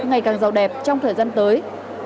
ngày càng giàu đẹp trong thời gian tới